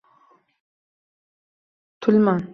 Tulman.